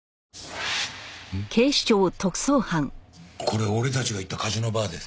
これ俺たちが行ったカジノバーです。